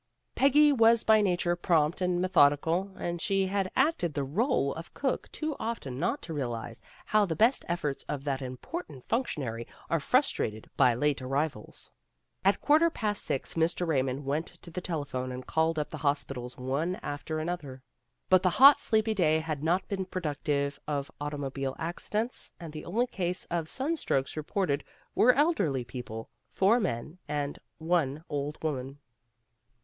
Peggy was by nature prompt and methodical, and she had acted the role of cook too often not to realize how the best efforts of that important functionary are frustrated by late arrivals. At quarter past six Mr. Ray mond went to the telephone and called up the hospitals one after another. But the hot sleepy day had not been productive of auto mobile accidents, and the only cases of sun strokes reported were elderly people, four men and one old woman.